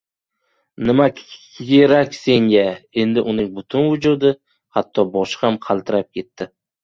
— Nima k-k-kerak senga?! — Endi uning butun vujudi, hatto boshi ham qaltirab ketdi.